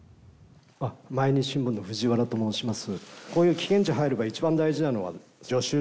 毎日新聞の藤原と申します。